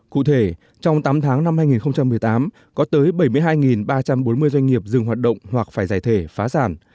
cụ thể trong tám tháng năm hai nghìn một mươi tám có tới bảy mươi hai ba trăm bốn mươi doanh nghiệp dừng hoạt động hoặc phải giải thể phá sản